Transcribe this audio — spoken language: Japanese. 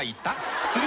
知ってる？